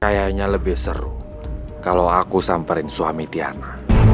kayaknya lebih seru kalau aku samperin suami tiana